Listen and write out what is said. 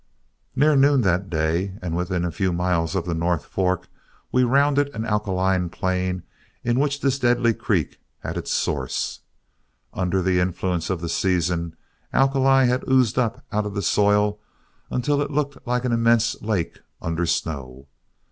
Near noon that day, and within a few miles of the North Fork, we rounded an alkaline plain in which this deadly creek had its source. Under the influence of the season, alkali had oozed up out of the soil until it looked like an immense lake under snow.